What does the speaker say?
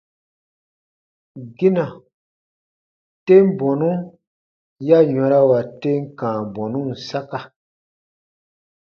Gina, tem bɔnu ya yɔ̃rawa tem kãa bɔnun saka.